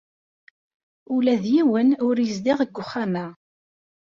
Ula d yiwen ur yezdiɣ deg uxxam-a.